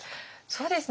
そうですね。